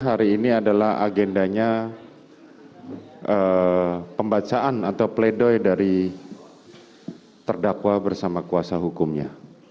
hari ini adalah agendanya pembacaan atau pledoi dari terdakwa bersama kuasa hukumnya